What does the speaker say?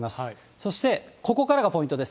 そして、ここからがポイントです。